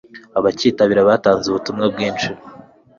Abacyitabiriye batanze ubutumwa bwinshi